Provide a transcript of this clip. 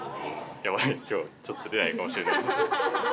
やばい、きょうはちょっと出ないかもしれない。